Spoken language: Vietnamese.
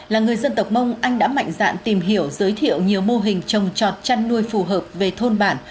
là người dân tộc mông anh đã mạnh dạn tìm hiểu giới thiệu nhiều mô hình trồng trọt chăn nuôi phù hợp về thôn bản